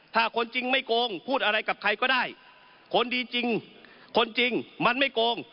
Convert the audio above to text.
ถ้าคนจริงไม่โกงพูดอะไรกับใครก็ได้คนดีจริงคนจริงมันไม่โกง